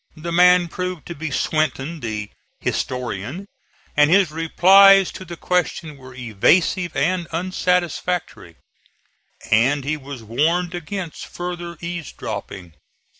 The man proved to be Swinton, the "historian," and his replies to the question were evasive and unsatisfactory, and he was warned against further eaves dropping.